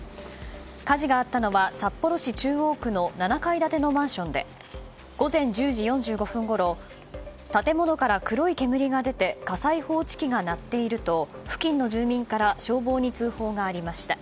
火事があったのは札幌市中央区の７階建てのマンションで午前１０時４５分ごろ建物から黒い煙が出て火災報知機が鳴っていると付近の住人から消防に通報がありました。